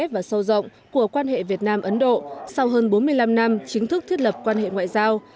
và sâu rộng của quan hệ việt nam ấn độ sau hơn bốn mươi năm năm chính thức thiết lập quan hệ ngoại giao